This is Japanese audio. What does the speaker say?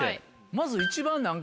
まず。